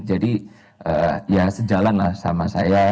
jadi ya sejalan lah sama saya